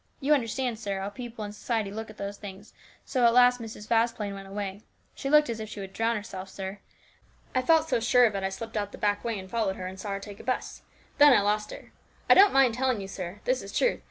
You understand, sir, how people in society look at those things, and so at last Mrs. Vasplaine went away. She looked as if she would drown herself, sir. I felt so sure of it I slipped out the back way and followed her, and saw her take a 'bus, and then I lost her. I don't mind telling you, sir ; this is truth.